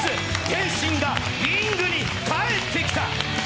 天心がリングに帰ってきた。